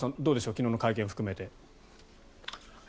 昨日の会見を含めて。